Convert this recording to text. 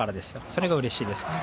それがうれしいですね。